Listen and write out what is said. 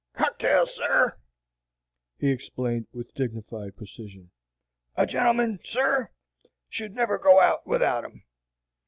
"Cocktails, sir," he explained with dignified precision. "A gentleman, sir, should never go out without 'em.